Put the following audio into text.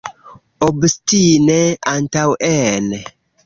Obstine antaŭen!